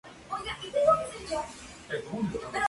Su asesinato nunca se resolvió.